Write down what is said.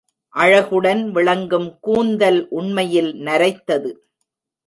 அழகுடன் விளங்கும் கூந்தல், உண்மையிலே நரைத்தது!